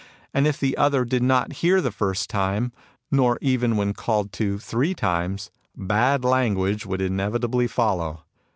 And if the other did not hear the first time, nor even when called to three times, bad language would inevitably follow.